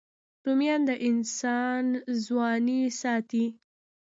رومیان د انسان ځواني ساتي